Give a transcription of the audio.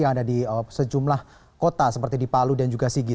yang ada di sejumlah kota seperti di palu dan juga sigi